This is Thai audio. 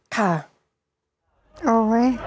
ค่ะเอาไว้